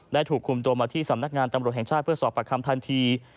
ถูกคุมตัวมาที่สำนักงานตำรวจแห่งชาติเพื่อสอบประคำทันที